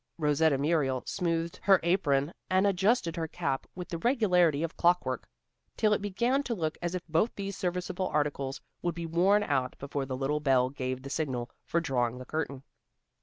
Rosetta Muriel smoothed her apron and adjusted her cap with the regularity of clockwork, till it began to look as if both these serviceable articles would be worn out before the little bell gave the signal for drawing the curtain.